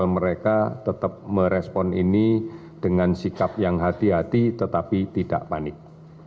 mereka tetap merespon ini dengan sikap yang hati hati tetapi tidak panik